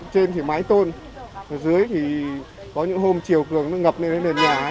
trên thì mái tôn dưới thì có những hôm chiều cường nó ngập lên nền nhà